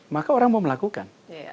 maka orang mau melakukan